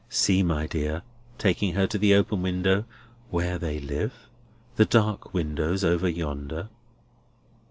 "See, my dear," taking her to the open window, "where they live! The dark windows over yonder."